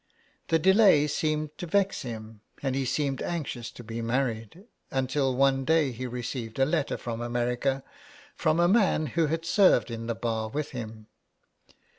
The delay seemed to vex him, and he seemed anxious to be married, until one day he received a letter from America, from a man who i68 HOME SICKNESS. had served in the bar with him.